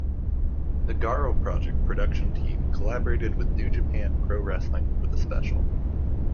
The Garo Project production team collaborated with New Japan Pro-Wrestling for the special.